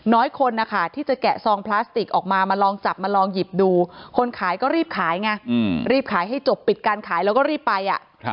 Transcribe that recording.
คนนะคะที่จะแกะซองพลาสติกออกมามาลองจับมาลองหยิบดูคนขายก็รีบขายไงรีบขายให้จบปิดการขายแล้วก็รีบไป